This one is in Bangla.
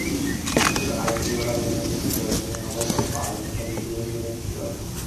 তবে আইপিওর আবেদনের জন্য প্রয়োজনীয় নগদ অর্থ আবেদনকারীর বিও হিসাবে থাকতে হবে।